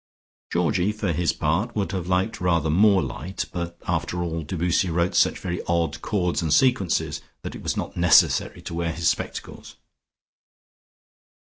Georgie, for his part, would have liked rather more light, but after all Debussy wrote such very odd chords and sequences that it was not necessary to wear his spectacles.